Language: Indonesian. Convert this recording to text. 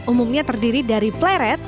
umumnya terdiri dari pleret